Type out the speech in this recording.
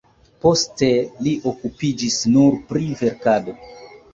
Poste li okupiĝis nur pri verkado.